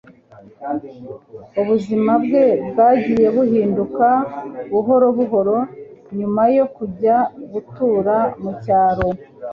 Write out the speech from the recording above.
Ubuzima bwe bwagiye buhinduka buhoro buhoro nyuma yo kujya gutura mu cyaro.